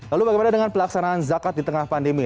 lalu bagaimana dengan pelaksanaan zakat di tengah pandemi